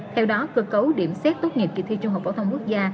theo đó cơ cấu điểm xét tốt nghiệp kỳ thi trung học phổ thông quốc gia